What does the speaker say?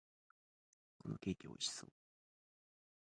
このケーキ、美味しそう！